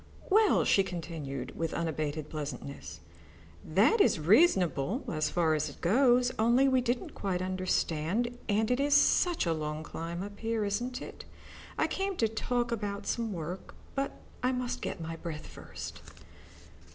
"Well," she continued, with unabated pleasantness, "that is reasonable as far as it goes, only we didn't quite understand, and it is such a climb up here, isn't it? I came to talk about some work, but I must get my breath first."